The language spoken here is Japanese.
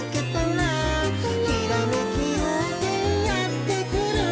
「ひらめきようせいやってくる」